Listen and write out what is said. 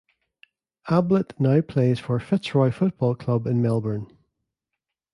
Ablett now plays for the Fitzroy Football Club in Melbourne.